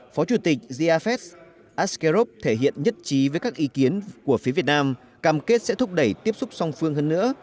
phó chủ tịch girfest askarrov thể hiện nhất trí với các ý kiến của phía việt nam cam kết sẽ thúc đẩy tiếp xúc song phương hơn nữa